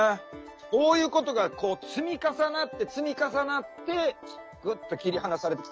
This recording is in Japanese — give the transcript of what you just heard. そういうことがこう積み重なって積み重なってぐっと切り離されてきた。